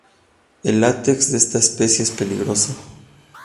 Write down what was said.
El látex de esta especie es peligroso.